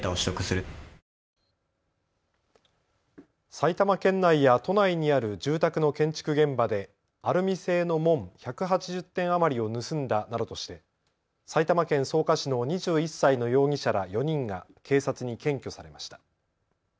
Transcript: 埼玉県内や都内にある住宅の建築現場でアルミ製の門１８０点余りを盗んだなどとして埼玉県草加市の２１歳の容疑者ら４人が警察に検挙されました。